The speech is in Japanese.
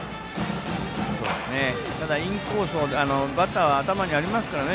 ただ、インコースバッターは頭にありますからね。